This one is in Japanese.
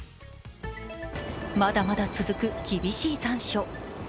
まだまだ続く、厳しい残暑。